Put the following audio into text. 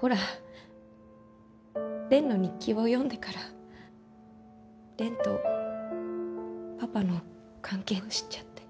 ほらの日記を読んでからとパパの関係を知っちゃって。